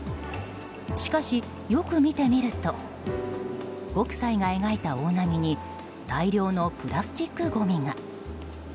しかし、よく見てみると北斎が描いた大波に大量のプラスチックごみが。